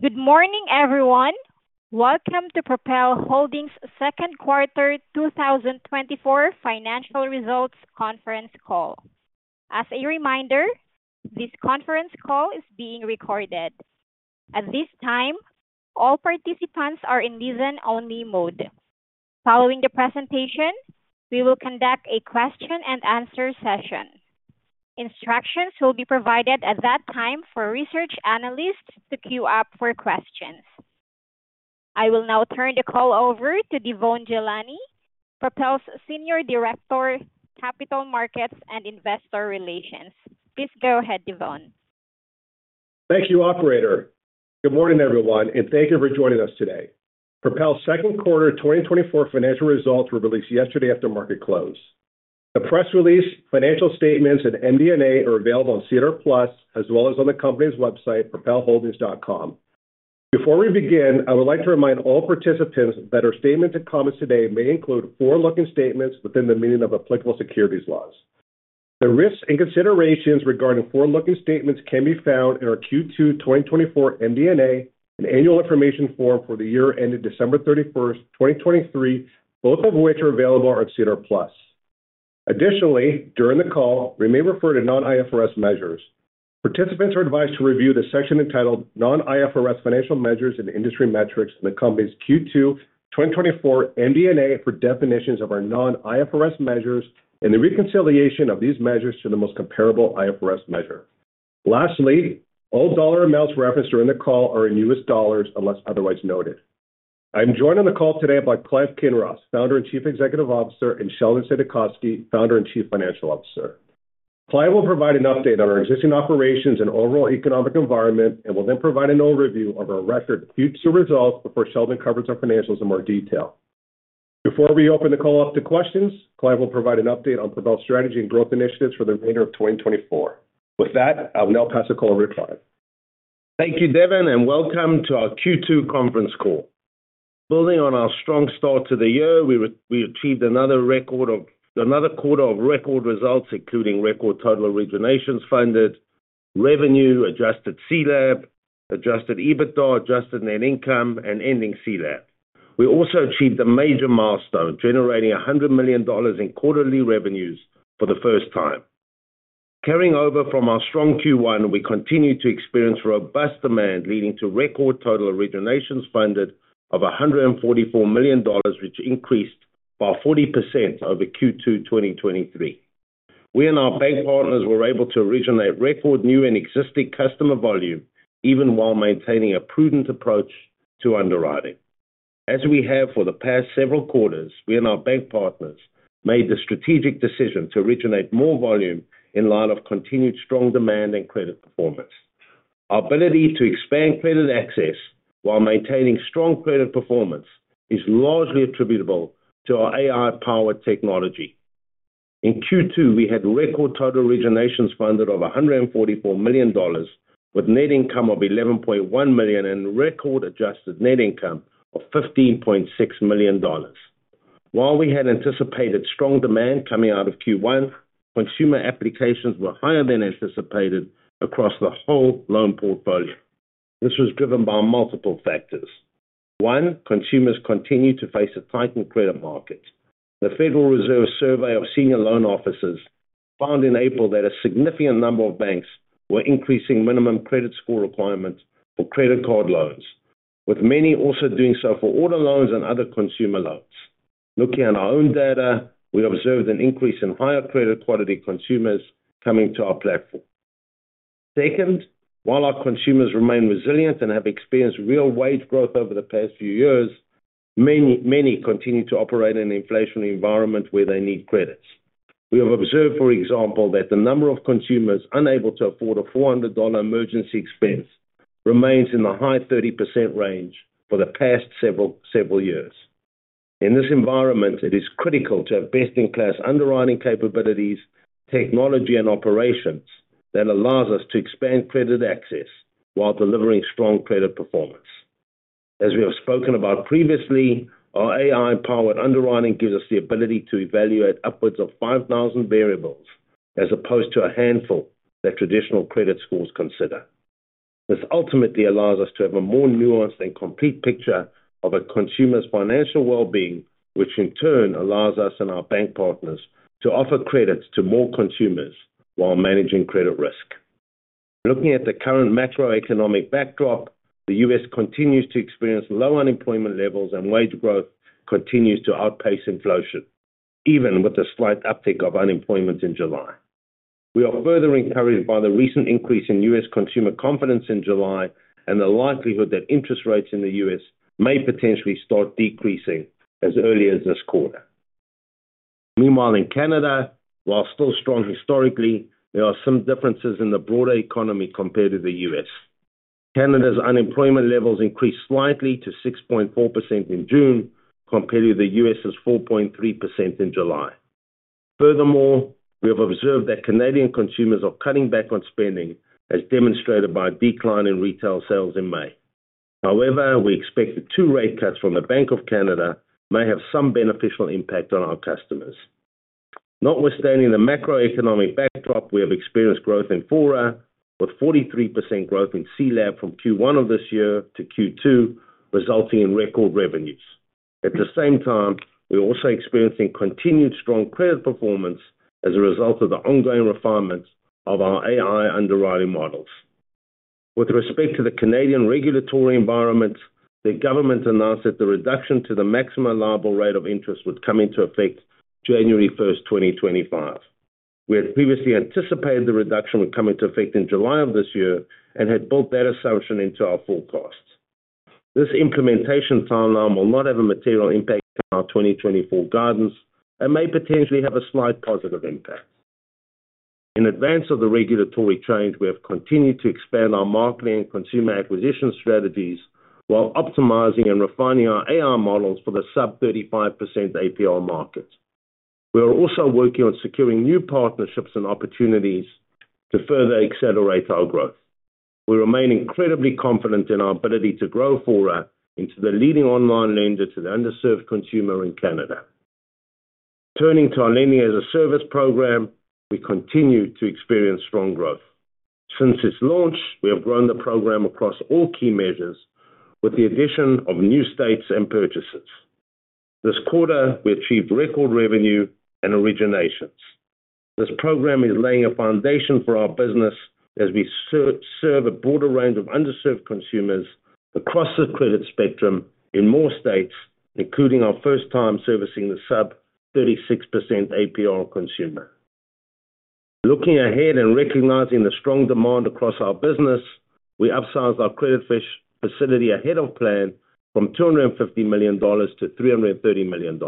Good morning, everyone. Welcome to Propel Holdings' Second Quarter 2024 Financial Results Conference Call. As a reminder, this conference call is being recorded. At this time, all participants are in listen-only mode. Following the presentation, we will conduct a question-and-answer session. Instructions will be provided at that time for research analysts to queue up for questions. I will now turn the call over to Devon Ghelani, Propel's Senior Director, Capital Markets and Investor Relations. Please go ahead, Devon. Thank you, operator. Good morning, everyone, and thank you for joining us today. Propel's second quarter 2024 financial results were released yesterday after market close. The press release, financial statements, and MD&A are available on SEDAR+, as well as on the company's website, propelholdings.com. Before we begin, I would like to remind all participants that our statements and comments today may include forward-looking statements within the meaning of applicable securities laws. The risks and considerations regarding forward-looking statements can be found in our Q2 2024 MD&A and Annual Information Form for the year ended December 31, 2023, both of which are available on SEDAR+. Additionally, during the call, we may refer to non-IFRS measures. Participants are advised to review the section entitled "Non-IFRS Financial Measures and Industry Metrics" in the company's Q2 2024 MD&A for definitions of our non-IFRS measures and the reconciliation of these measures to the most comparable IFRS measure. Lastly, all dollar amounts referenced during the call are in U.S. dollars, unless otherwise noted. I'm joined on the call today by Clive Kinross, Founder and Chief Executive Officer, and Sheldon Saidakovsky, Founder and Chief Financial Officer. Clive will provide an update on our existing operations and overall economic environment and will then provide an overview of our record future results before Sheldon covers our financials in more detail. Before we open the call up to questions, Clive will provide an update on Propel's strategy and growth initiatives for the remainder of 2024. With that, I'll now pass the call over to Clive. Thank you, Devon, and welcome to our Q2 conference call. Building on our strong start to the year, we achieved another quarter of record results, including record total originations funded, revenue, adjusted CLAB, adjusted EBITDA, adjusted net income, and ending CLAB. We also achieved a major milestone, generating $100 million in quarterly revenues for the first time. Carrying over from our strong Q1, we continued to experience robust demand, leading to record total originations funded of $144 million, which increased by 40% over Q2 2023. We and our bank partners were able to originate record new and existing customer volume, even while maintaining a prudent approach to underwriting. As we have for the past several quarters, we and our bank partners made the strategic decision to originate more volume in light of continued strong demand and credit performance. Our ability to expand credit access while maintaining strong credit performance is largely attributable to our AI-powered technology. In Q2, we had record total originations funded of $144 million, with net income of $11.1 million and record adjusted net income of $15.6 million. While we had anticipated strong demand coming out of Q1, consumer applications were higher than anticipated across the whole loan portfolio. This was driven by multiple factors. One, consumers continued to face a tightened credit market. The Federal Reserve survey of senior loan officers found in April that a significant number of banks were increasing minimum credit score requirements for credit card loans, with many also doing so for auto loans and other consumer loans. Looking at our own data, we observed an increase in higher credit quality consumers coming to our platform. Second, while our consumers remain resilient and have experienced real wage growth over the past few years, many, many continue to operate in an inflationary environment where they need credits. We have observed, for example, that the number of consumers unable to afford a $400 emergency expense remains in the high 30% range for the past several, several years. In this environment, it is critical to have best-in-class underwriting capabilities, technology, and operations that allows us to expand credit access while delivering strong credit performance. As we have spoken about previously, our AI-powered underwriting gives us the ability to evaluate upwards of 5,000 variables, as opposed to a handful that traditional credit scores consider. This ultimately allows us to have a more nuanced and complete picture of a consumer's financial well-being, which in turn allows us and our bank partners to offer credits to more consumers while managing credit risk. Looking at the current macroeconomic backdrop, the U.S. continues to experience low unemployment levels, and wage growth continues to outpace inflation, even with a slight uptick of unemployment in July. We are further encouraged by the recent increase in U.S. consumer confidence in July and the likelihood that interest rates in the U.S. may potentially start decreasing as early as this quarter. Meanwhile, in Canada, while still strong historically, there are some differences in the broader economy compared to the U.S.. Canada's unemployment levels increased slightly to 6.4% in June, compared to the U.S.'s 4.3% in July. Furthermore, we have observed that Canadian consumers are cutting back on spending, as demonstrated by a decline in retail sales in May. However, we expect the two rate cuts from the Bank of Canada may have some beneficial impact on our customers... notwithstanding the macroeconomic backdrop, we have experienced growth in Fora, with 43% growth in CLAB from Q1 of this year to Q2, resulting in record revenues. At the same time, we're also experiencing continued strong credit performance as a result of the ongoing refinements of our AI underwriting models. With respect to the Canadian regulatory environment, the government announced that the reduction to the maximum liable rate of interest would come into effect January first, 2025. We had previously anticipated the reduction would come into effect in July of this year and had built that assumption into our forecasts. This implementation timeline will not have a material impact on our 2024 guidance and may potentially have a slight positive impact. In advance of the regulatory change, we have continued to expand our marketing and consumer acquisition strategies while optimizing and refining our AI models for the sub-35% APR markets. We are also working on securing new partnerships and opportunities to further accelerate our growth. We remain incredibly confident in our ability to grow Fora into the leading online lender to the underserved consumer in Canada. Turning to our Lending-as-a-Service program, we continue to experience strong growth. Since its launch, we have grown the program across all key measures, with the addition of new states and purchasers. This quarter, we achieved record revenue and originations. This program is laying a foundation for our business as we serve a broader range of underserved consumers across the credit spectrum in more states, including our first time servicing the sub 36% APR consumer. Looking ahead and recognizing the strong demand across our business, we upsized our CreditFresh facility ahead of plan from $250 millio-$330 million.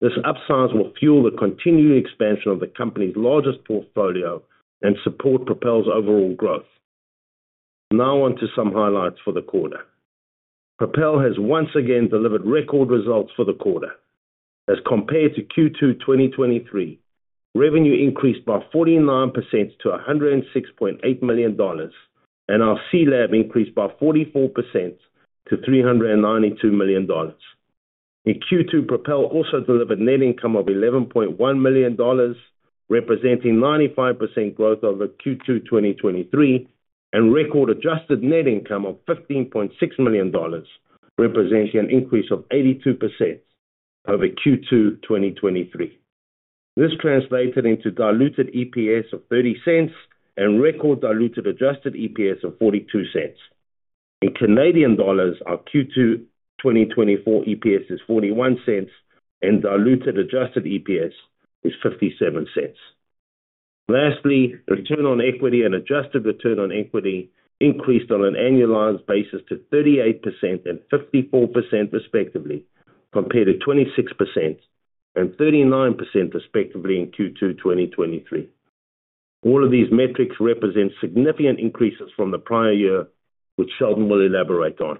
This upsize will fuel the continued expansion of the company's largest portfolio and support Propel's overall growth. Now on to some highlights for the quarter. Propel has once again delivered record results for the quarter. As compared to Q2 2023, revenue increased by 49% to $106.8 million, and our CLAB increased by 44% to $392 million. In Q2, Propel also delivered net income of $11.1 million, representing 95% growth over Q2 2023, and record adjusted net income of $15.6 million, representing an increase of 82% over Q2 2023. This translated into diluted EPS of $0.30 and record diluted adjusted EPS of $0.42. In Canadian dollars, our Q2 2024 EPS is 0.41, and diluted adjusted EPS is 0.57. Lastly, return on equity and adjusted return on equity increased on an annualized basis to 38% and 54%, respectively, compared to 26% and 39%, respectively, in Q2 2023. All of these metrics represent significant increases from the prior year, which Sheldon will elaborate on.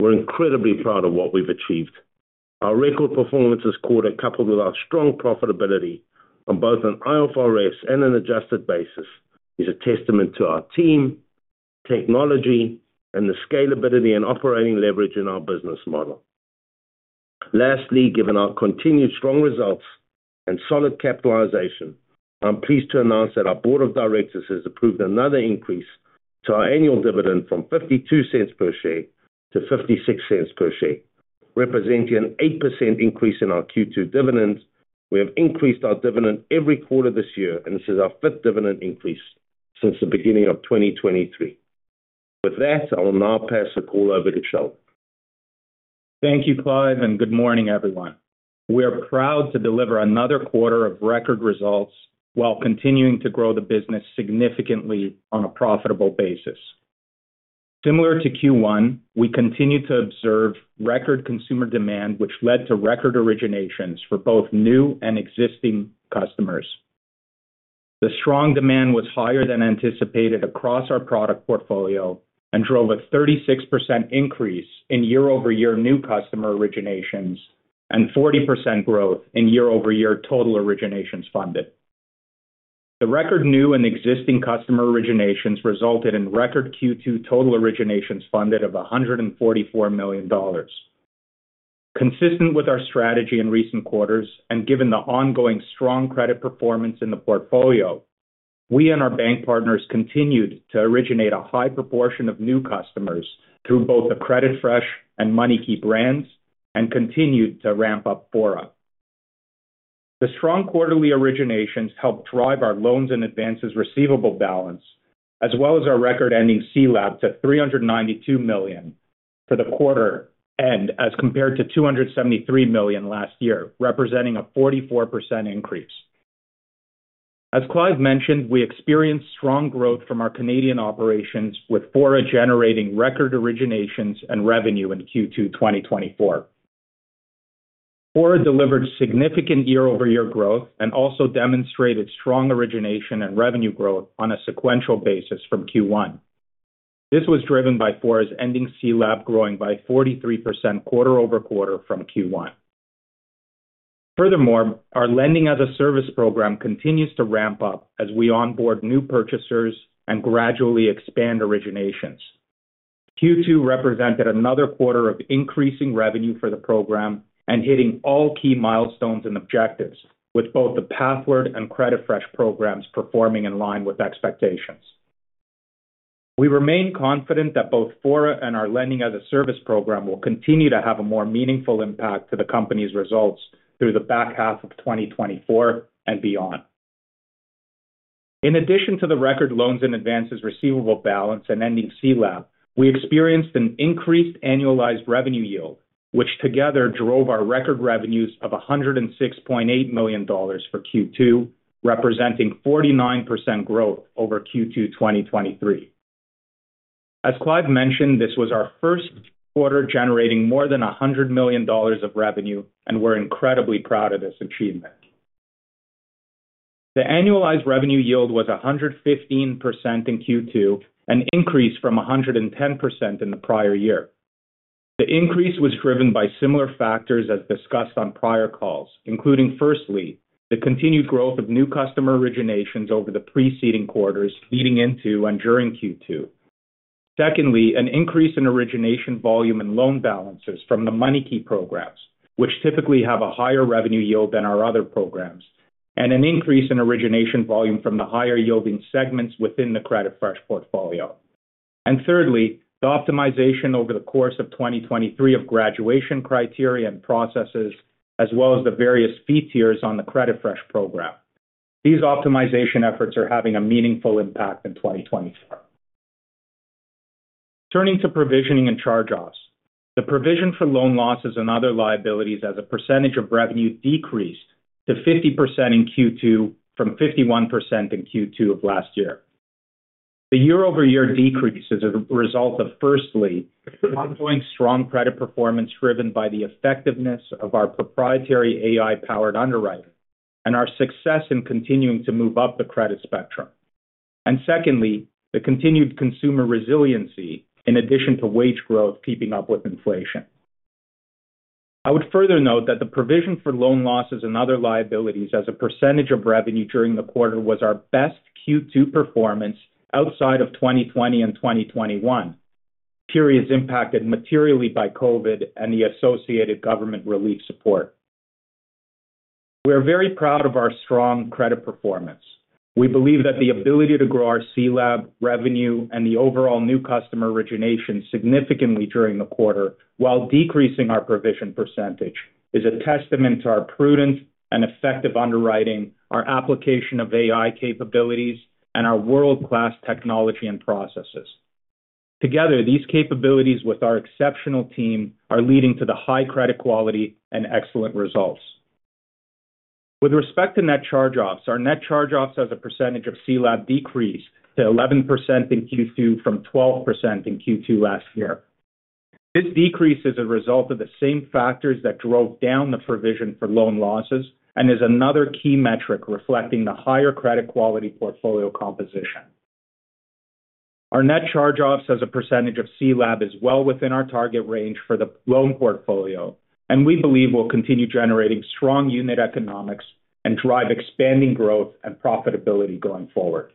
We're incredibly proud of what we've achieved. Our record performance this quarter, coupled with our strong profitability on both an IFRS and an adjusted basis, is a testament to our team, technology, and the scalability and operating leverage in our business model. Lastly, given our continued strong results and solid capitalization, I'm pleased to announce that our board of directors has approved another increase to our annual dividend from $0.52 per share-$0.56 per share, representing an 8% increase in our Q2 dividends. We have increased our dividend every quarter this year, and this is our fifth dividend increase since the beginning of 2023. With that, I will now pass the call over to Sheldon. Thank you, Clive, and good morning, everyone. We are proud to deliver another quarter of record results while continuing to grow the business significantly on a profitable basis. Similar to Q1, we continued to observe record consumer demand, which led to record originations for both new and existing customers. The strong demand was higher than anticipated across our product portfolio and drove a 36% increase in year-over-year new customer originations and 40% growth in year-over-year total originations funded. The record new and existing customer originations resulted in record Q2 total originations funded of $144 million. Consistent with our strategy in recent quarters, and given the ongoing strong credit performance in the portfolio, we and our bank partners continued to originate a high proportion of new customers through both the CreditFresh and MoneyKey brands and continued to ramp up Fora. The strong quarterly originations helped drive our loans and advances receivable balance, as well as our record-ending CLAB, to $392 million for the quarter, and as compared to $273 million last year, representing a 44% increase. As Clive mentioned, we experienced strong growth from our Canadian operations, with Fora generating record originations and revenue in Q2 2024. Fora delivered significant year-over-year growth and also demonstrated strong origination and revenue growth on a sequential basis from Q1. This was driven by Fora's ending CLAB, growing by 43% quarter-over-quarter from Q1. Furthermore, our lending as a service program continues to ramp up as we onboard new purchasers and gradually expand originations.... Q2 represented another quarter of increasing revenue for the program and hitting all key milestones and objectives, with both the Pathward and CreditFresh programs performing in line with expectations. We remain confident that both Fora and our lending as a service program will continue to have a more meaningful impact to the company's results through the back half of 2024 and beyond. In addition to the record loans and advances receivable balance and ending CLAB, we experienced an increased annualized revenue yield, which together drove our record revenues of $106.8 million for Q2, representing 49% growth over Q2 2023. As Clive mentioned, this was our first quarter, generating more than $100 million of revenue, and we're incredibly proud of this achievement. The annualized revenue yield was 115% in Q2, an increase from 110% in the prior year. The increase was driven by similar factors as discussed on prior calls, including, firstly, the continued growth of new customer originations over the preceding quarters leading into and during Q2. Secondly, an increase in origination volume and loan balances from the MoneyKey programs, which typically have a higher revenue yield than our other programs, and an increase in origination volume from the higher-yielding segments within the CreditFresh portfolio. And thirdly, the optimization over the course of 2023 of graduation criteria and processes, as well as the various fee tiers on the CreditFresh program. These optimization efforts are having a meaningful impact in 2024. Turning to provisioning and charge-offs. The provision for loan losses and other liabilities as a percentage of revenue decreased to 50% in Q2, from 51% in Q2 of last year. The year-over-year decrease is a result of, firstly, ongoing strong credit performance, driven by the effectiveness of our proprietary AI-powered underwriting and our success in continuing to move up the credit spectrum. And secondly, the continued consumer resiliency in addition to wage growth, keeping up with inflation. I would further note that the provision for loan losses and other liabilities as a percentage of revenue during the quarter was our best Q2 performance outside of 2020 and 2021. Periods impacted materially by COVID and the associated government relief support. We are very proud of our strong credit performance. We believe that the ability to grow our CLAB revenue and the overall new customer origination significantly during the quarter, while decreasing our provision percentage, is a testament to our prudence and effective underwriting, our application of AI capabilities, and our world-class technology and processes. Together, these capabilities with our exceptional team, are leading to the high credit quality and excellent results. With respect to net charge-offs, our net charge-offs as a percentage of CLAB decreased to 11% in Q2 from 12% in Q2 last year. This decrease is a result of the same factors that drove down the provision for loan losses and is another key metric reflecting the higher credit quality portfolio composition. Our net charge-offs as a percentage of CLAB is well within our target range for the loan portfolio, and we believe we'll continue generating strong unit economics and drive expanding growth and profitability going forward.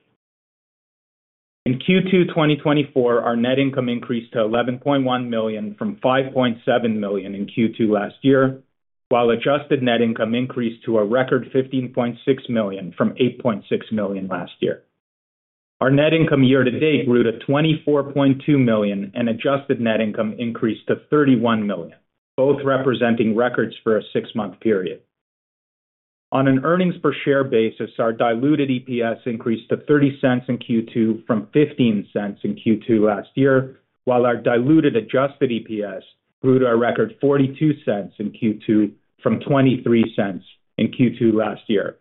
In Q2 2024, our net income increased to $11.1 million from $5.7 million in Q2 last year, while adjusted net income increased to a record $15.6 million from $8.6 million last year. Our net income year-to-date grew to $24.2 million, and adjusted net income increased to $31 million, both representing records for a six-month period. On an earnings-per-share basis, our diluted EPS increased to $0.30 in Q2 from $0.15 in Q2 last year, while our diluted adjusted EPS grew to a record $0.42 in Q2 from $0.23 in Q2 last year.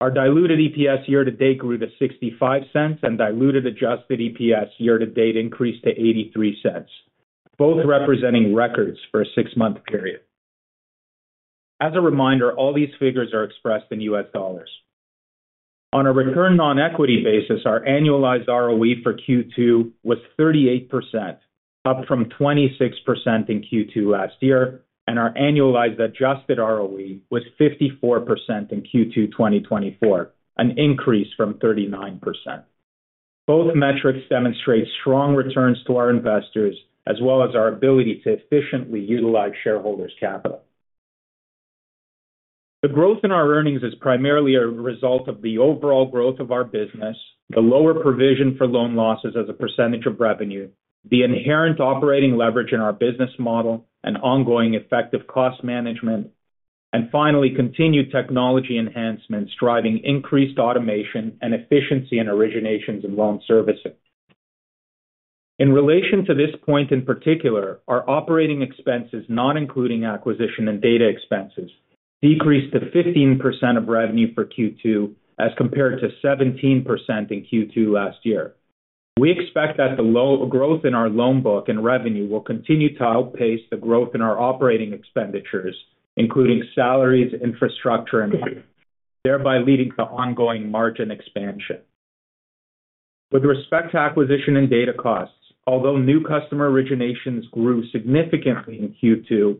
Our diluted EPS year-to-date grew to $0.65, and diluted adjusted EPS year-to-date increased to $0.83, both representing records for a six-month period. As a reminder, all these figures are expressed in U.S. dollars. On a return on equity basis, our annualized ROE for Q2 was 38%, up from 26% in Q2 last year, and our annualized adjusted ROE was 54% in Q2 2024, an increase from 39%. Both metrics demonstrate strong returns to our investors, as well as our ability to efficiently utilize shareholders' capital. The growth in our earnings is primarily a result of the overall growth of our business, the lower provision for loan losses as a percentage of revenue, the inherent operating leverage in our business model and ongoing effective cost management, and finally, continued technology enhancements, driving increased automation and efficiency in originations and loan servicing. In relation to this point, in particular, our operating expenses, not including acquisition and data expenses, decreased to 15% of revenue for Q2, as compared to 17% in Q2 last year. We expect that the low growth in our loan book and revenue will continue to outpace the growth in our operating expenditures, including salaries, infrastructure, and whatnot, thereby leading to ongoing margin expansion. With respect to acquisition and data costs, although new customer originations grew significantly in Q2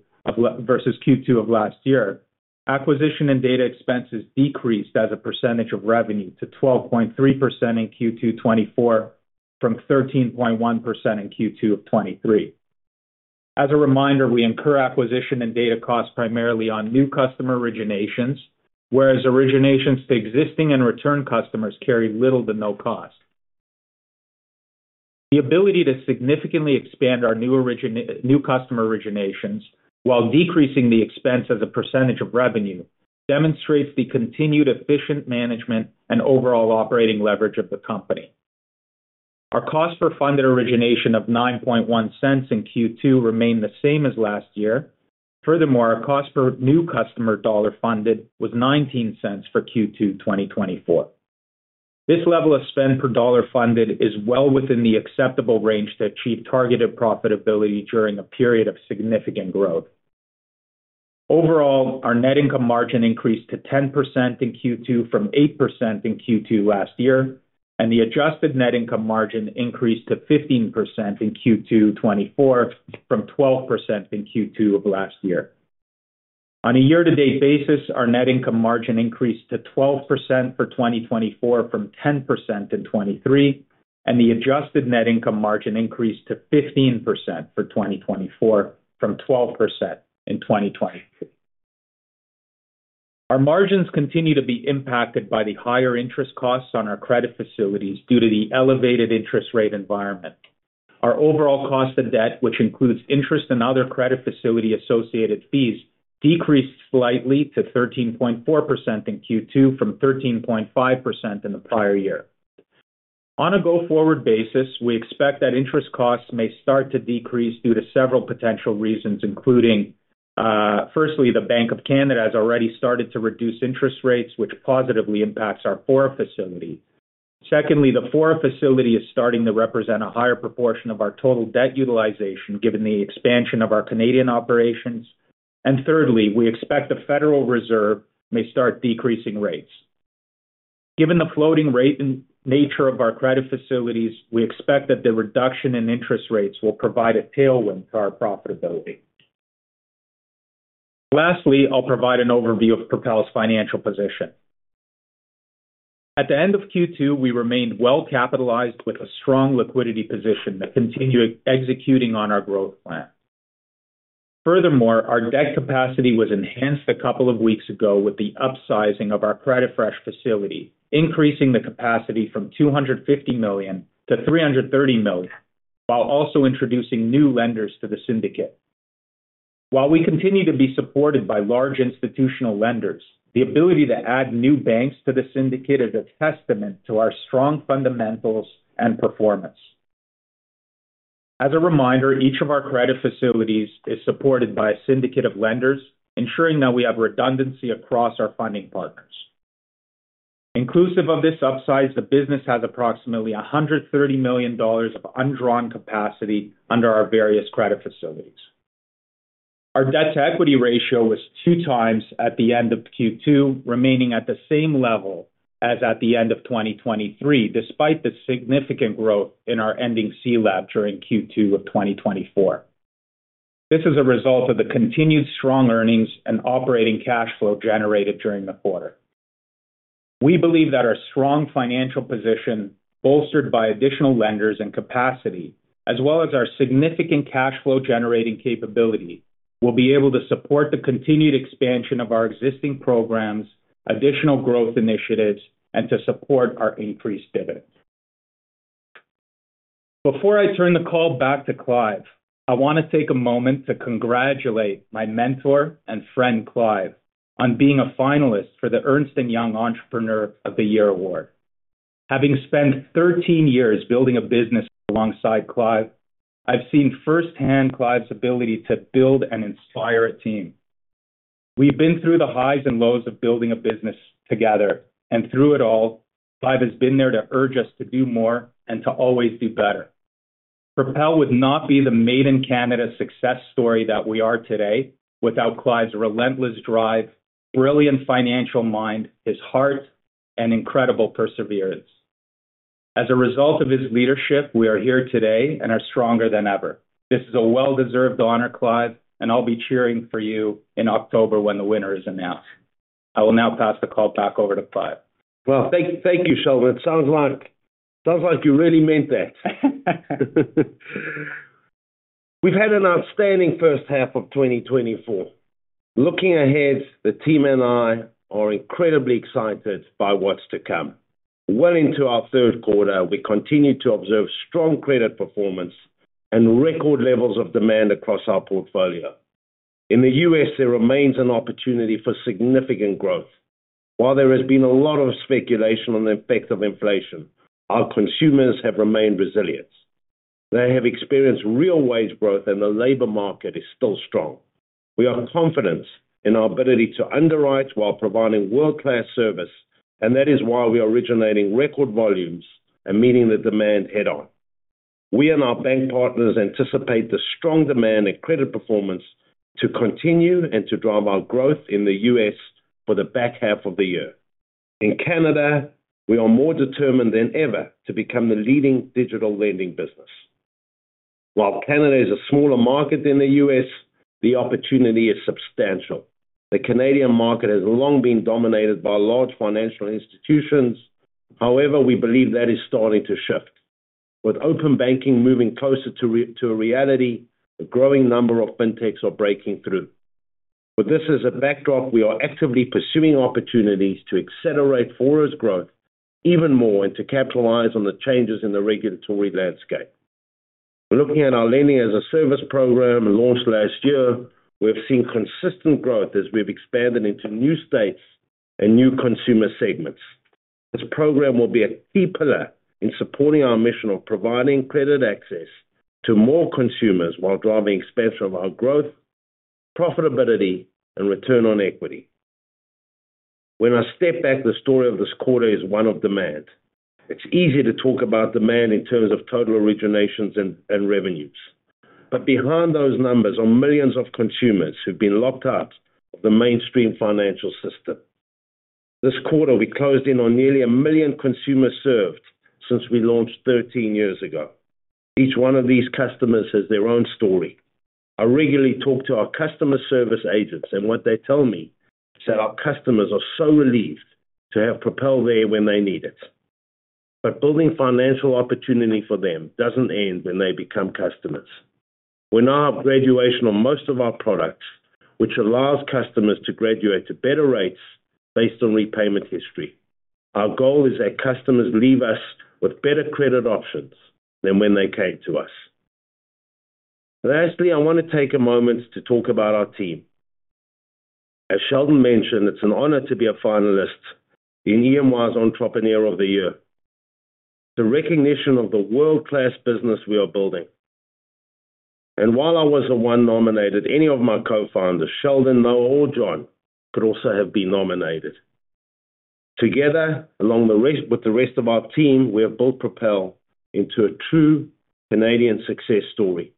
vs Q2 of last year. Acquisition and data expenses decreased as a percentage of revenue to 12.3% in Q2 2024, from 13.1% in Q2 2023. As a reminder, we incur acquisition and data costs primarily on new customer originations, whereas originations to existing and return customers carry little to no cost. The ability to significantly expand our new customer originations, while decreasing the expense as a % of revenue, demonstrates the continued efficient management and overall operating leverage of the company. Our cost per funded origination of $0.091 in Q2 remained the same as last year. Furthermore, our cost per new customer dollar funded was $0.19 for Q2 2024. This level of spend per dollar funded is well within the acceptable range to achieve targeted profitability during a period of significant growth. Overall, our net income margin increased to 10% in Q2, from 8% in Q2 last year, and the adjusted net income margin increased to 15% in Q2 2024, from 12% in Q2 of last year. On a year-to-date basis, our net income margin increased to 12% for 2024 from 10% in 2023, and the adjusted net income margin increased to 15% for 2024, from 12% in 2023. Our margins continue to be impacted by the higher interest costs on our credit facilities due to the elevated interest rate environment. Our overall cost of debt, which includes interest and other credit facility-associated fees, decreased slightly to 13.4% in Q2 from 13.5% in the prior year. On a go-forward basis, we expect that interest costs may start to decrease due to several potential reasons, including, firstly, the Bank of Canada has already started to reduce interest rates, which positively impacts our Fora facility. Secondly, the Fora facility is starting to represent a higher proportion of our total debt utilization, given the expansion of our Canadian operations. And thirdly, we expect the Federal Reserve may start decreasing rates. Given the floating rate and nature of our credit facilities, we expect that the reduction in interest rates will provide a tailwind to our profitability. Lastly, I'll provide an overview of Propel's financial position. At the end of Q2, we remained well-capitalized with a strong liquidity position to continue executing on our growth plan. Furthermore, our debt capacity was enhanced a couple of weeks ago with the upsizing of our CreditFresh facility, increasing the capacity from $250 million-$330 million, while also introducing new lenders to the syndicate. While we continue to be supported by large institutional lenders, the ability to add new banks to the syndicate is a testament to our strong fundamentals and performance. As a reminder, each of our credit facilities is supported by a syndicate of lenders, ensuring that we have redundancy across our funding partners. Inclusive of this upsize, the business has approximately $130 million of undrawn capacity under our various credit facilities. Our debt-to-equity ratio was 2x at the end of Q2, remaining at the same level as at the end of 2023, despite the significant growth in our ending CLAB during Q2 of 2024. This is a result of the continued strong earnings and operating cash flow generated during the quarter. We believe that our strong financial position, bolstered by additional lenders and capacity, as well as our significant cash flow-generating capability, will be able to support the continued expansion of our existing programs, additional growth initiatives, and to support our increased dividends. Before I turn the call back to Clive, I want to take a moment to congratulate my mentor and friend, Clive, on being a finalist for the Ernst & Young Entrepreneur of the Year award. Having spent 13 years building a business alongside Clive, I've seen firsthand Clive's ability to build and inspire a team. We've been through the highs and lows of building a business together, and through it all, Clive has been there to urge us to do more and to always do better. Propel would not be the made-in-Canada success story that we are today without Clive's relentless drive, brilliant financial mind, his heart, and incredible perseverance. As a result of his leadership, we are here today and are stronger than ever. This is a well-deserved honor, Clive, and I'll be cheering for you in October when the winner is announced. I will now pass the call back over to Clive. Well, thank you, Sheldon. It sounds like you really meant that. We've had an outstanding first half of 2024. Looking ahead, the team and I are incredibly excited by what's to come. Well into our third quarter, we continue to observe strong credit performance and record levels of demand across our portfolio. In the U.S., there remains an opportunity for significant growth. While there has been a lot of speculation on the effect of inflation, our consumers have remained resilient. They have experienced real wage growth, and the labor market is still strong. We are confident in our ability to underwrite while providing world-class service, and that is why we are originating record volumes and meeting the demand head-on. We and our bank partners anticipate the strong demand and credit performance to continue and to drive our growth in the U.S. for the back half of the year. In Canada, we are more determined than ever to become the leading digital lending business. While Canada is a smaller market than the U.S., the opportunity is substantial. The Canadian market has long been dominated by large financial institutions. However, we believe that is starting to shift. With open banking moving closer to a reality, a growing number of fintechs are breaking through. With this as a backdrop, we are actively pursuing opportunities to accelerate forward growth even more, and to capitalize on the changes in the regulatory landscape. Looking at our lending as a service program launched last year, we've seen consistent growth as we've expanded into new states and new consumer segments. This program will be a key pillar in supporting our mission of providing credit access to more consumers while driving expansion of our growth, profitability, and return on equity. When I step back, the story of this quarter is one of demand. It's easy to talk about demand in terms of total originations and revenues. But behind those numbers are millions of consumers who've been locked out of the mainstream financial system. This quarter, we closed in on nearly 1 million consumers served since we launched 13 years ago. Each one of these customers has their own story. I regularly talk to our customer service agents, and what they tell me is that our customers are so relieved to have Propel there when they need it. But building financial opportunity for them doesn't end when they become customers. We're now graduating on most of our products, which allows customers to graduate to better rates based on repayment history. Our goal is that customers leave us with better credit options than when they came to us. Lastly, I want to take a moment to talk about our team. As Sheldon mentioned, it's an honor to be a finalist in EY's Entrepreneur of the Year. It's a recognition of the world-class business we are building. While I wasn't one nominated, any of my co-founders, Sheldon, Noah, or John, could also have been nominated. Together, with the rest of our team, we have built Propel into a true Canadian success story.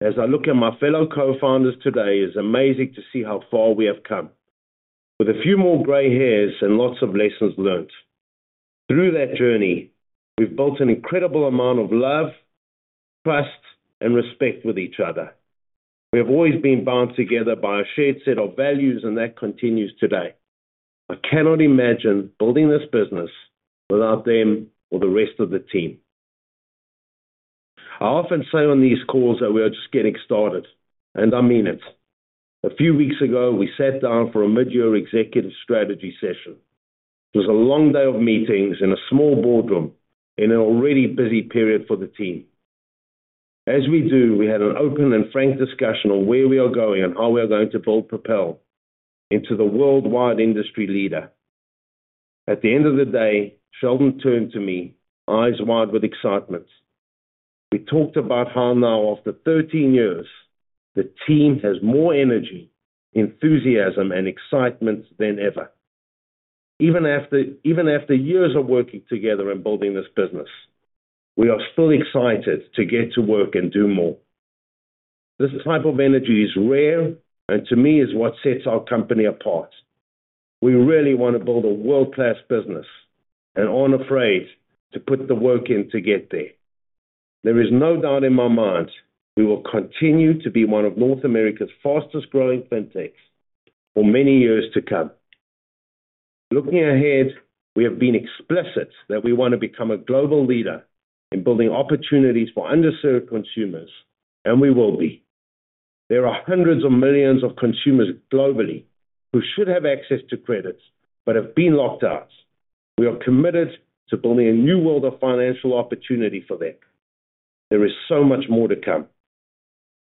As I look at my fellow co-founders today, it's amazing to see how far we have come, with a few more gray hairs and lots of lessons learned. Through that journey, we've built an incredible amount of love, trust, and respect with each other. We have always been bound together by a shared set of values, and that continues today. I cannot imagine building this business without them or the rest of the team. I often say on these calls that we are just getting started, and I mean it. A few weeks ago, we sat down for a mid-year executive strategy session. It was a long day of meetings in a small boardroom in an already busy period for the team. As we do, we had an open and frank discussion on where we are going and how we are going to build Propel into the worldwide industry leader. At the end of the day, Sheldon turned to me, eyes wide with excitement. We talked about how now, after 13 years, the team has more energy, enthusiasm and excitement than ever. Even after, even after years of working together and building this business, we are still excited to get to work and do more. This type of energy is rare, and to me is what sets our company apart. We really want to build a world-class business, and aren't afraid to put the work in to get there. There is no doubt in my mind we will continue to be one of North America's fastest growing fintechs for many years to come. Looking ahead, we have been explicit that we want to become a global leader in building opportunities for underserved consumers, and we will be. There are 100s of millions of consumers globally who should have access to credit, but have been locked out. We are committed to building a new world of financial opportunity for them. There is so much more to come.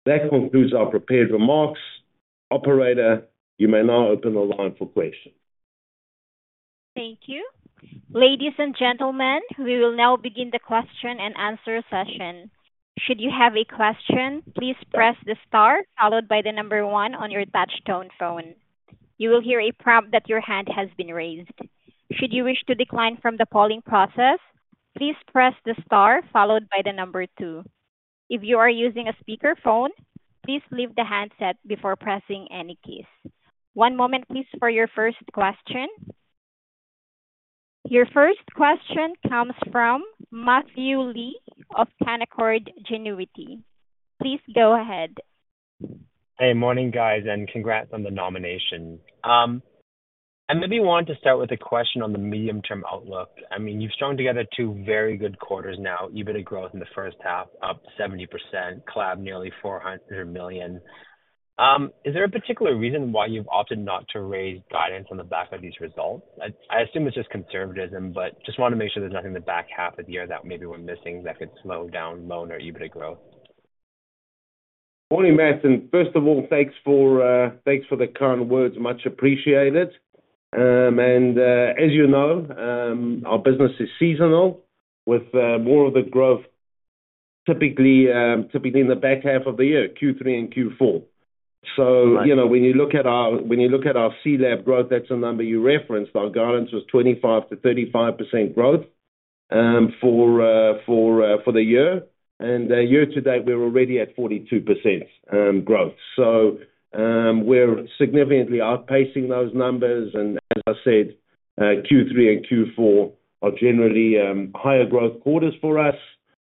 That concludes our prepared remarks. Operator, you may now open the line for questions. Thank you. Ladies and gentlemen, we will now begin the question and answer session. Should you have a question, please press the star followed by the number one on your touch tone phone. You will hear a prompt that your hand has been raised. Should you wish to decline from the polling process, please press the star followed by the number two. If you are using a speakerphone, please leave the handset before pressing any keys. One moment, please, for your first question. Your first question comes from Matthew Lee of Canaccord Genuity. Please go ahead. Hey, morning, guys, and congrats on the nomination. I maybe want to start with a question on the medium-term outlook. I mean, you've strung together two very good quarters now. EBITDA growth in the first half, up 70%, CLAB nearly $400 million. Is there a particular reason why you've opted not to raise guidance on the back of these results? I assume it's just conservatism, but just want to make sure there's nothing in the back half of the year that maybe we're missing that could slow down loan or EBITDA growth. Morning, Matthew. First of all, thanks for the kind words. Much appreciated. And, as you know, our business is seasonal, with more of the growth typically in the back half of the year, Q3 and Q4. So, you know, when you look at our CLAB growth, that's a number you referenced. Our guidance was 25%-35% growth for the year. And year to date, we're already at 42% growth. So, we're significantly outpacing those numbers, and as I said, Q3 and Q4 are generally higher growth quarters for us.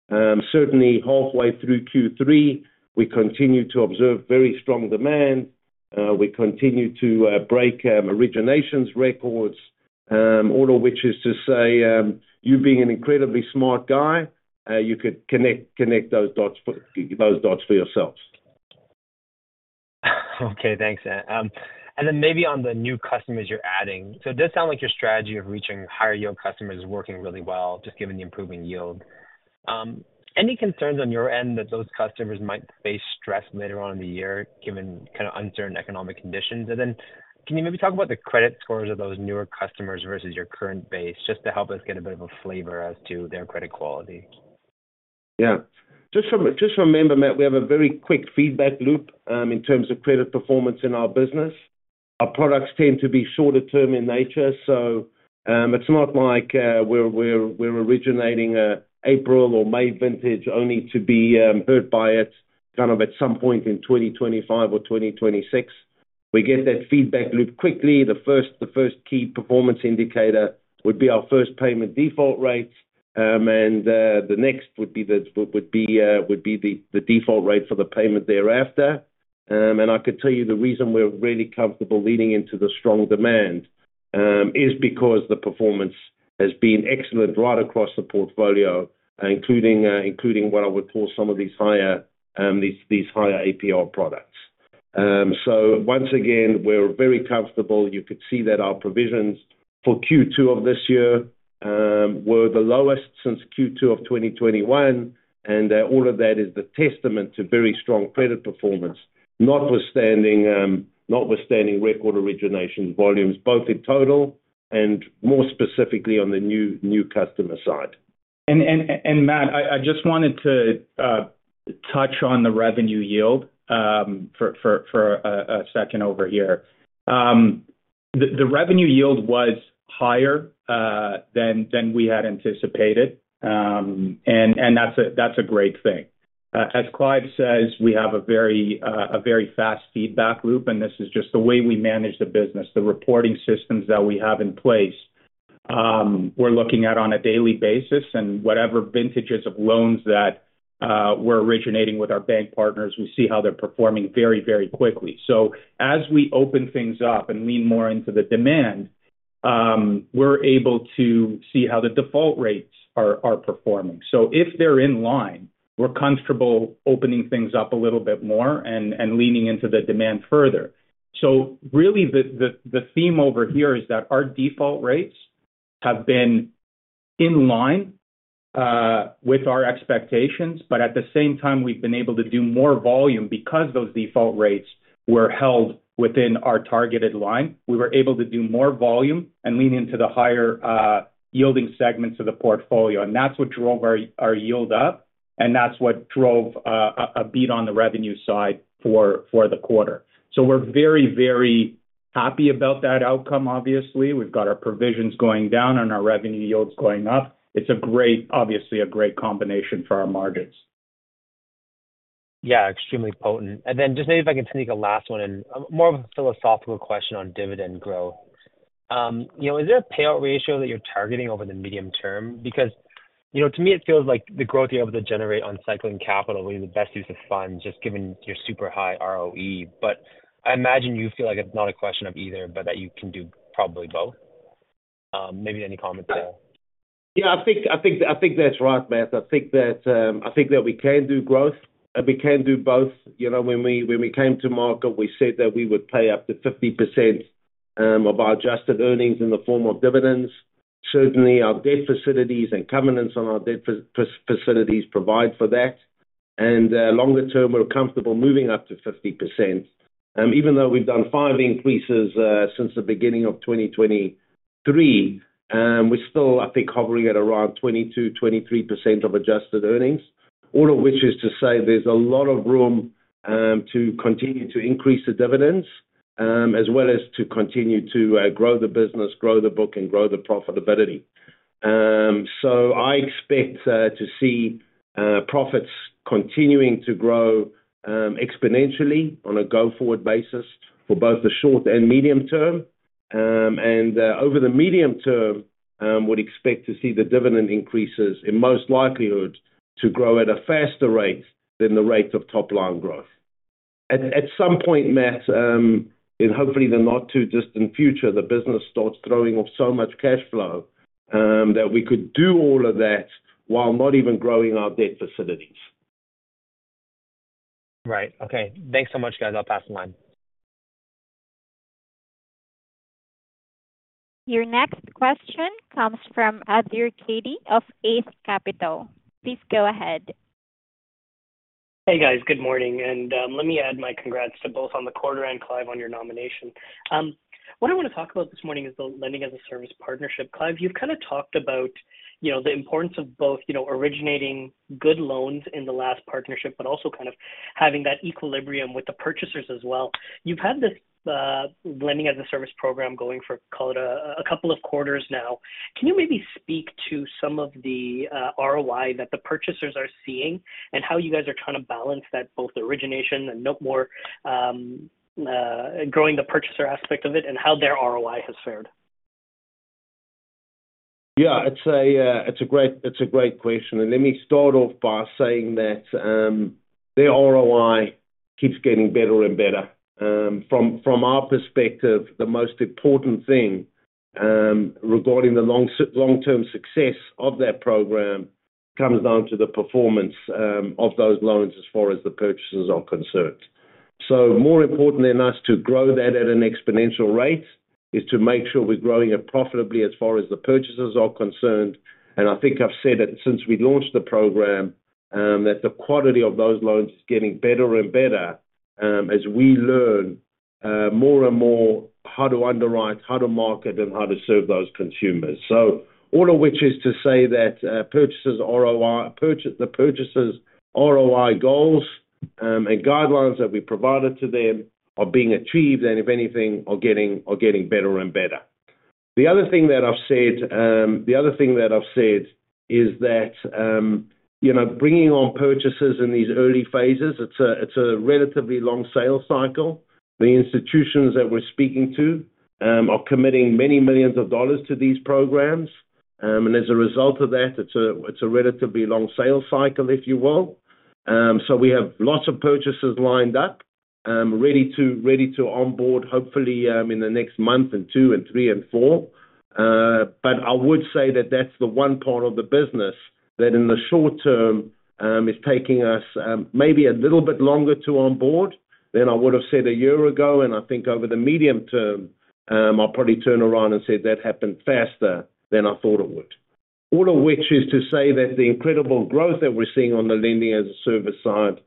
Certainly, halfway through Q3, we continue to observe very strong demand. We continue to break originations records, all of which is to say, you being an incredibly smart guy, you could connect those dots for yourselves. Okay, thanks. And then maybe on the new customers you're adding, so it does sound like your strategy of reaching higher-yield customers is working really well, just given the improving yield. Any concerns on your end that those customers might face stress later on in the year, given kind of uncertain economic conditions? And then can you maybe talk about the credit scores of those newer customers vs your current base, just to help us get a bit of a flavor as to their credit quality? Yeah. Just remember, Matt, we have a very quick feedback loop in terms of credit performance in our business. Our products tend to be shorter term in nature, so it's not like we're originating an April or May vintage, only to be hurt by it kind of at some point in 2025 or 2026. We get that feedback loop quickly. The first key performance indicator would be our first payment default rates. And the next would be the default rate for the payment thereafter. And I could tell you the reason we're really comfortable leaning into the strong demand, is because the performance has been excellent right across the portfolio, including, including what I would call some of these higher, these, these higher APR products. So once again, we're very comfortable. You could see that our provisions for Q2 of this year, were the lowest since Q2 of 2021, and, all of that is the testament to very strong credit performance, notwithstanding, notwithstanding record origination volumes, both in total and more specifically on the new, new customer side. Matt, I just wanted to touch on the revenue yield for a second over here. The revenue yield was higher than we had anticipated. And that's a great thing. As Clive says, we have a very fast feedback loop, and this is just the way we manage the business. The reporting systems that we have in place, we're looking at on a daily basis, and whatever vintages of loans that we're originating with our bank partners, we see how they're performing very, very quickly. So as we open things up and lean more into the demand, we're able to see how the default rates are performing. So if they're in line, we're comfortable opening things up a little bit more and leaning into the demand further. So really, the theme over here is that our default rates have been in line with our expectations, but at the same time, we've been able to do more volume. Because those default rates were held within our targeted line, we were able to do more volume and lean into the higher yielding segments of the portfolio, and that's what drove our yield up, and that's what drove a beat on the revenue side for the quarter. So we're very, very happy about that outcome obviously. We've got our provisions going down and our revenue yields going up. It's a great, obviously, a great combination for our margins. Yeah, extremely potent. And then just maybe if I can sneak a last one in. More of a philosophical question on dividend growth. You know, is there a payout ratio that you're targeting over the medium term? Because, you know, to me, it feels like the growth you're able to generate on cycling capital is the best use of funds, just given your super high ROE. But I imagine you feel like it's not a question of either, but that you can do probably both. Maybe any comment there? Yeah, I think that's right, Matt. I think that we can do growth, and we can do both. You know, when we came to market, we said that we would pay up to 50% of our adjusted earnings in the form of dividends. Certainly, our debt facilities and covenants on our debt facilities provide for that. And longer term, we're comfortable moving up to 50%. Even though we've done five increases since the beginning of 2023, we're still, I think, hovering at around 22, 23% of adjusted earnings. All of which is to say, there's a lot of room to continue to increase the dividends as well as to continue to grow the business, grow the book, and grow the profitability. So I expect to see profits continuing to grow exponentially on a go-forward basis for both the short and medium term. And over the medium term, would expect to see the dividend increases, in most likelihood, to grow at a faster rate than the rate of top line growth. At some point, Matt, in hopefully the not too distant future, the business starts throwing off so much cash flow that we could do all of that while not even growing our debt facilities. Right. Okay, thanks so much, guys. I'll pass the line. Your next question comes from Adir Caday of Echelon Capital. Please go ahead. Hey, guys. Good morning, and let me add my congrats to both on the quarter and Clive, on your nomination. What I wanna talk about this morning is the Lending-as-a-Service partnership. Clive, you've kind of talked about, you know, the importance of both, you know, originating good loans in the last partnership, but also kind of having that equilibrium with the purchasers as well. You've had this Lending-as-a-Service program going for, call it, a couple of quarters now. Can you maybe speak to some of the ROI that the purchasers are seeing, and how you guys are trying to balance that, both the origination and no more growing the purchaser aspect of it, and how their ROI has fared? ...Yeah, it's a great question, and let me start off by saying that the ROI keeps getting better and better. From our perspective, the most important thing regarding the long-term success of that program comes down to the performance of those loans as far as the purchasers are concerned. So more important than us to grow that at an exponential rate is to make sure we're growing it profitably as far as the purchasers are concerned. And I think I've said it since we launched the program that the quality of those loans is getting better and better as we learn more and more how to underwrite, how to market, and how to serve those consumers. So all of which is to say that, purchasers' ROI goals and guidelines that we provided to them are being achieved, and if anything, are getting, are getting better and better. The other thing that I've said is that, you know, bringing on purchasers in these early phases, it's a, it's a relatively long sales cycle. The institutions that we're speaking to are committing many millions of dollars to these programs. And as a result of that, it's a, it's a relatively long sales cycle, if you will. So we have lots of purchasers lined up, ready to, ready to onboard, hopefully, in the next month and two and three and four. But I would say that that's the one part of the business that in the short term, is taking us, maybe a little bit longer to onboard than I would have said a year ago. And I think over the medium term, I'll probably turn around and say that happened faster than I thought it would. All of which is to say that the incredible growth that we're seeing on the lending as a service side,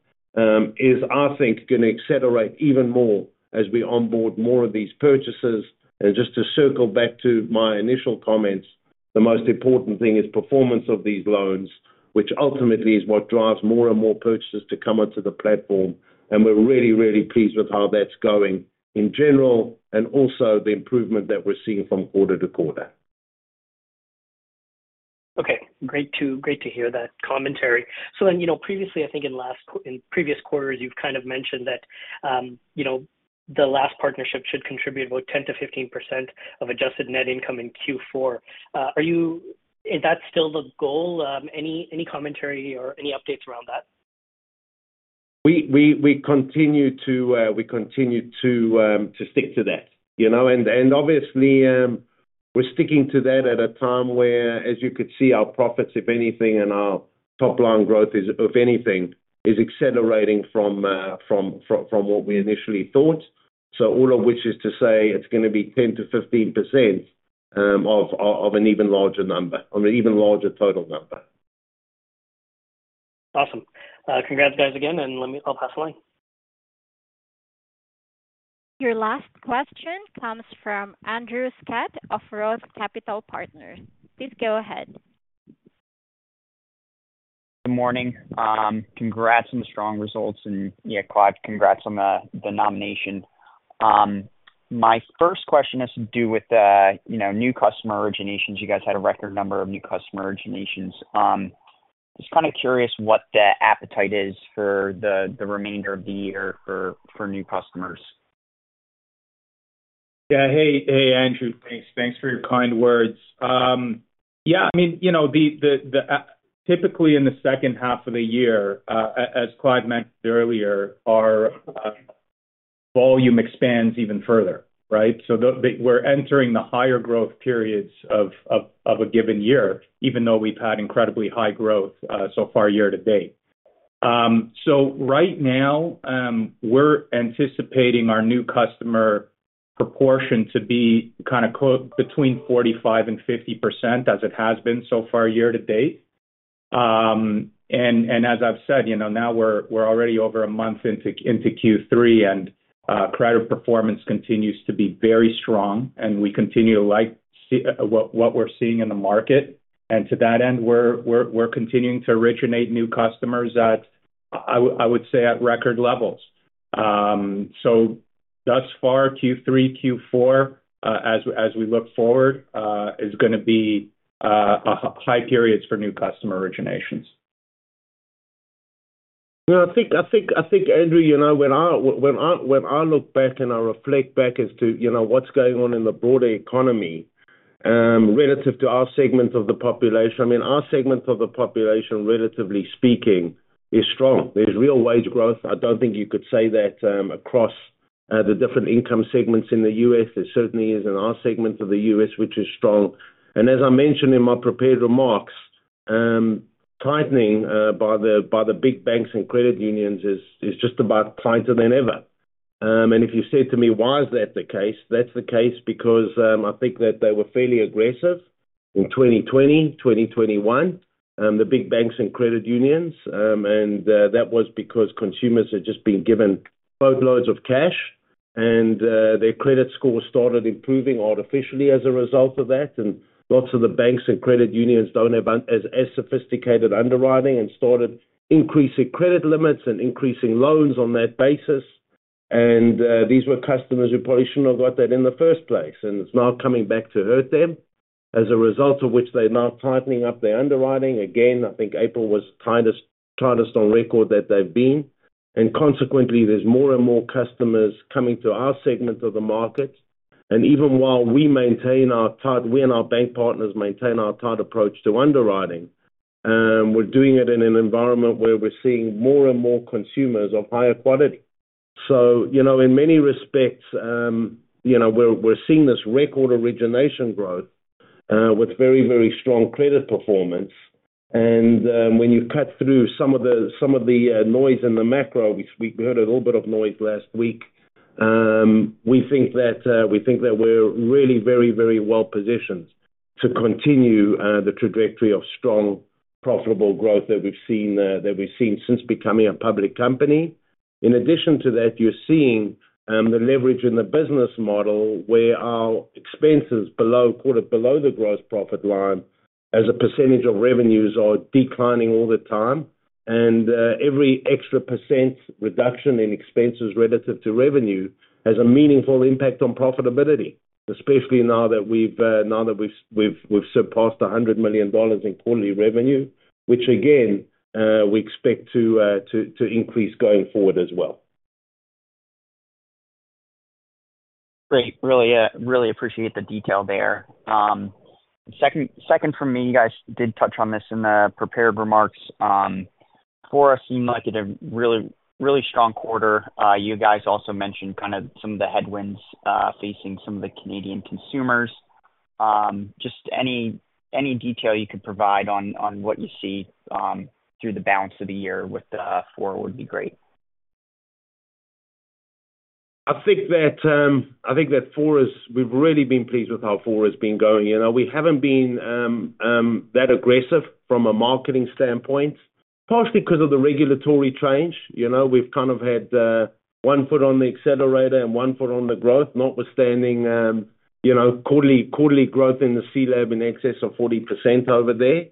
is, I think, gonna accelerate even more as we onboard more of these purchasers. And just to circle back to my initial comments, the most important thing is performance of these loans, which ultimately is what drives more and more purchasers to come onto the platform, and we're really, really pleased with how that's going in general, and also the improvement that we're seeing from quarter to quarter. Okay. Great to hear that commentary. So then, you know, previously, I think in previous quarters, you've kind of mentioned that, you know, the last partnership should contribute about 10%-15% of Adjusted Net Income in Q4. Are you... Is that still the goal? Any commentary or any updates around that? We continue to stick to that, you know? And obviously, we're sticking to that at a time where, as you could see, our profits, if anything, and our top-line growth is, if anything, accelerating from what we initially thought. So all of which is to say it's gonna be 10%-15% of an even larger number, or an even larger total number. Awesome. Congrats, guys, again, and let me- I'll pass the line. Your last question comes from Andrew Scutt of ROTH Capital Partners. Please go ahead. Good morning. Congrats on the strong results, and yeah, Clive, congrats on the, the nomination. My first question has to do with the, you know, new customer originations. You guys had a record number of new customer originations. Just kind of curious what the appetite is for the, the remainder of the year for, for new customers. Hey, hey, Andrew. Thanks. Thanks for your kind words. Yeah, I mean, you know, the typically in the second half of the year, as Clive mentioned earlier, our volume expands even further, right? So the... We're entering the higher growth periods of a given year, even though we've had incredibly high growth so far year to date. So right now, we're anticipating our new customer proportion to be kind of quote, between 45% and 50%, as it has been so far year to date. And as I've said, you know, now we're already over a month into Q3, and credit performance continues to be very strong, and we continue to like see what we're seeing in the market. And to that end, we're continuing to originate new customers at, I would say, at record levels. So thus far, Q3, Q4, as we look forward, is gonna be high periods for new customer originations. Well, I think, Andrew, you know, when I look back and I reflect back as to, you know, what's going on in the broader economy, relative to our segment of the population, I mean, our segment of the population, relatively speaking, is strong. There's real wage growth. I don't think you could say that across the different income segments in the U.S. It certainly is in our segment of the U.S., which is strong. And as I mentioned in my prepared remarks, tightening by the big banks and credit unions is just about tighter than ever. And if you said to me, "Why is that the case?" That's the case because I think that they were fairly aggressive in 2020, 2021, the big banks and credit unions, and that was because consumers had just been given boatloads of cash, and their credit scores started improving artificially as a result of that. Lots of the banks and credit unions don't have as sophisticated underwriting and started increasing credit limits and increasing loans on that basis. These were customers who probably shouldn't have got that in the first place, and it's now coming back to hurt them, as a result of which they're now tightening up their underwriting. Again, I think April was tightest on record that they've been, and consequently, there's more and more customers coming to our segment of the market. Even while we maintain our tight, we and our bank partners maintain our tight approach to underwriting, we're doing it in an environment where we're seeing more and more consumers of higher quality. So, you know, in many respects, you know, we're seeing this record origination growth with very, very strong credit performance. And, when you cut through some of the noise in the macro, which we heard a little bit of noise last week, we think that we think that we're really very, very well positioned to continue the trajectory of strong, profitable growth that we've seen that we've seen since becoming a public company. In addition to that, you're seeing the leverage in the business model, where our expenses below, call it below the gross profit line, as a % of revenues are declining all the time. And every extra % reduction in expenses relative to revenue has a meaningful impact on profitability, especially now that we've surpassed $100 million in quarterly revenue, which again, we expect to increase going forward as well. Great. Really, really appreciate the detail there. Second, second for me, you guys did touch on this in the prepared remarks. Fora seemed like it a really, really strong quarter. You guys also mentioned kind of some of the headwinds, facing some of the Canadian consumers. Just any, any detail you could provide on, on what you see, through the balance of the year with, Fora would be great. I think that I think that Fora is we've really been pleased with how Fora has been going. You know, we haven't been that aggressive from a marketing standpoint, partly because of the regulatory change. You know, we've kind of had one foot on the accelerator and one foot on the growth, notwithstanding, you know, quarterly growth in the CLAB in excess of 40% over there.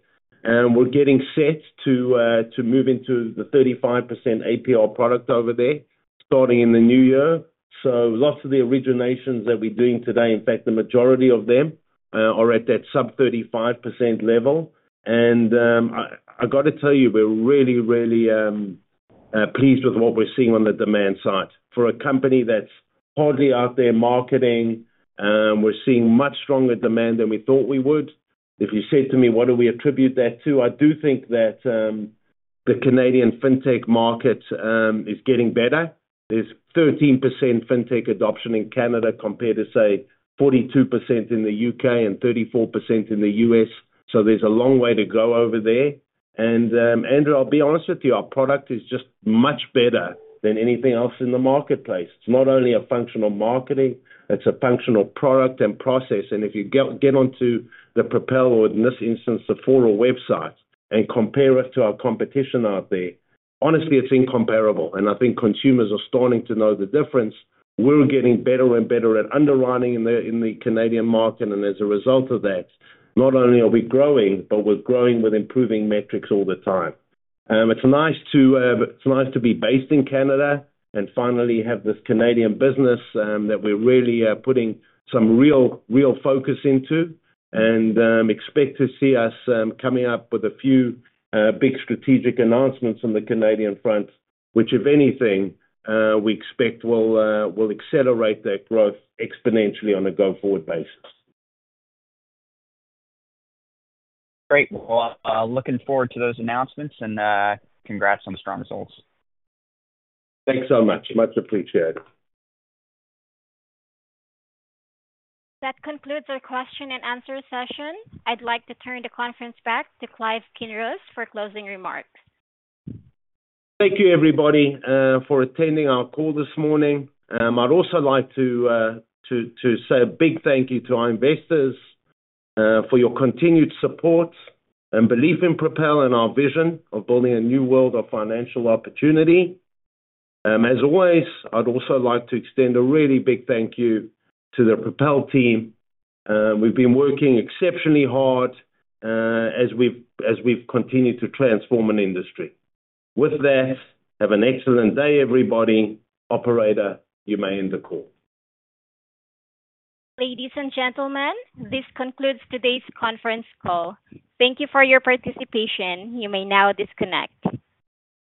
And we're getting set to move into the 35% APR product over there, starting in the new year. So lots of the originations that we're doing today, in fact, the majority of them, are at that sub-35% level. And I gotta tell you, we're really, really pleased with what we're seeing on the demand side. For a company that's hardly out there marketing, we're seeing much stronger demand than we thought we would. If you said to me, what do we attribute that to? I do think that, the Canadian fintech market, is getting better. There's 13% fintech adoption in Canada, compared to, say, 42% in the U.K. and 34% in the U.S. So there's a long way to go over there. And, Andrew, I'll be honest with you, our product is just much better than anything else in the marketplace. It's not only a function of marketing, it's a function of product and process. And if you get onto the Propel, or in this instance, the Fora website, and compare us to our competition out there, honestly, it's incomparable, and I think consumers are starting to know the difference. We're getting better and better at underwriting in the Canadian market, and as a result of that, not only are we growing, but we're growing with improving metrics all the time. It's nice to be based in Canada and finally have this Canadian business that we're really putting some real focus into. Expect to see us coming up with a few big strategic announcements on the Canadian front, which, if anything, we expect will accelerate that growth exponentially on a go-forward basis. Great. Well, I'm looking forward to those announcements, and, congrats on the strong results. Thanks so much. Much appreciated. That concludes our question and answer session. I'd like to turn the conference back to Clive Kinross for closing remarks. Thank you, everybody, for attending our call this morning. I'd also like to say a big thank you to our investors, for your continued support and belief in Propel and our vision of building a new world of financial opportunity. As always, I'd also like to extend a really big thank you to the Propel team. We've been working exceptionally hard, as we've continued to transform an industry. With that, have an excellent day, everybody. Operator, you may end the call. Ladies and gentlemen, this concludes today's conference call. Thank you for your participation. You may now disconnect.